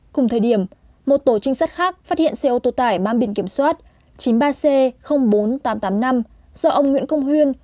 cùng thời điểm một tổ trinh sát khác phát hiện xe ô tô tải mang biển kiểm soát chín mươi ba c bốn nghìn tám trăm tám mươi năm do ông nguyễn công huyên